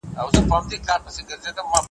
هر ګړی بدلوي غېږ د لونډه ګانو ,